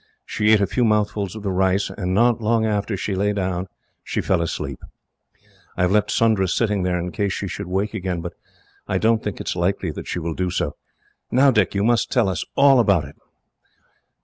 She ate a few mouthfuls of the rice, and not long after she lay down, she fell asleep. I have left Sundra sitting there, in case she should wake up again, but I don't think it is likely that she will do so. "Now, Dick, you must tell us all about it."